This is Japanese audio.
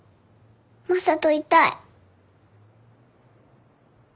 マサといたい。